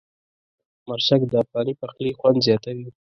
مرچک د افغاني پخلي خوند زیاتوي.